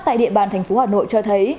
tại địa bàn thành phố hà nội cho thấy